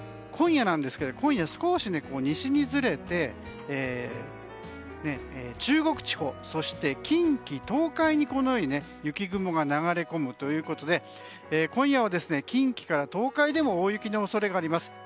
今夜、少し西にずれて中国地方そして近畿、東海に雪雲が流れ込むということで今夜は近畿から東海でも大雪の恐れがあります。